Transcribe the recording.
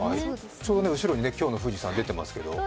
ちょうど後ろに今日の富士山、出てますけど。